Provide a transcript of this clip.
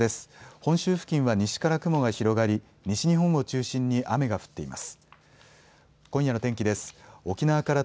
本州付近は西から雲が広がり西日本を中心に雨が降っています。